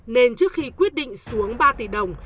nên trước khi quyết định xuống ba tỷ đồng